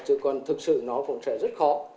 chứ còn thực sự nó cũng sẽ rất khó